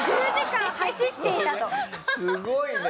すごいね。